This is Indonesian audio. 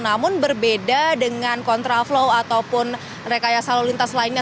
namun berbeda dengan kontra flow ataupun rekaya salur lintas lainnya